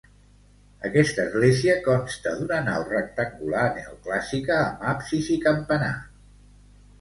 Aquesta església consta d'una nau rectangular, neoclàssica amb absis i campanar.